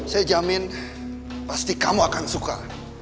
saya jamin pasti kamu akan suka